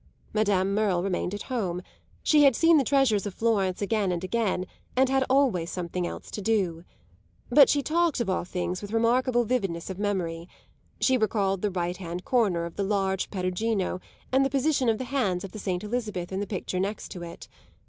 Madame Merle remained at home; she had seen the treasures of Florence again and again and had always something else to do. But she talked of all things with remarkable vividness of memory she recalled the right hand corner of the large Perugino and the position of the hands of the Saint Elizabeth in the picture next to it.